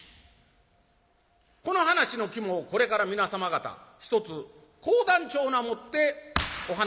この噺の肝をこれから皆様方ひとつ講談調なもってお噺を申し上げます。